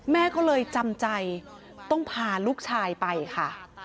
แม่ก็เลยจำใจต้องพาลูกชายไปค่ะ